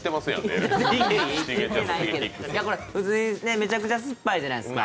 めちゃくちゃ酸っぱいじゃないですか。